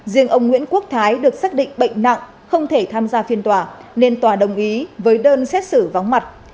riêng ông nguyễn quốc thái được xác định bệnh nặng không thể tham gia phiên tòa nên tòa đồng ý với đơn xét xử vắng mặt